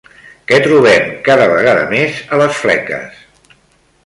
Què trobem cada vegada més a les fleques?